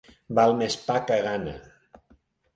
Val més pa que gana.